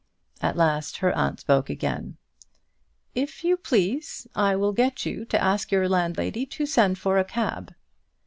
At last her aunt spoke again: "If you please, I will get you to ask your landlady to send for a cab."